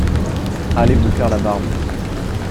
Allez vous faire la barbe.